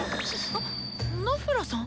あ！ナフラさん？